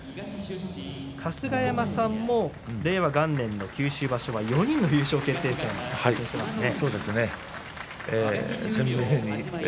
春日山さんも令和元年九州場所は４人の優勝決定戦でしたね。